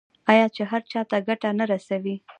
آیا چې هر چا ته ګټه نه رسوي؟